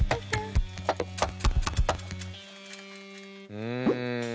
うん！